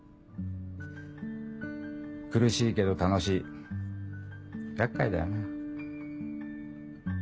苦しいけど楽しい厄介だよな。